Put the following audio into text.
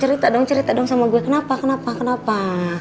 cerita dong cerita dong sama gue kenapa kenapa kenapa